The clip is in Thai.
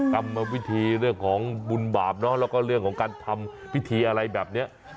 กรรมวิธีเรื่องของบุญบาปเนอะแล้วก็เรื่องของการทำพิธีอะไรแบบนี้